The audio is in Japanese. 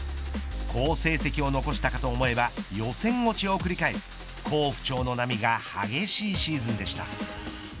好成績を残したかと思えば予選落ちを繰り返す好不調の波が激しいシーズンでした。